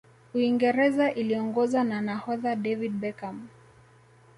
uingereza iliongozwa na nahodha david beckham